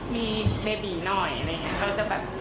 มีเบบีหน่อยอะไรอย่างเงี้ย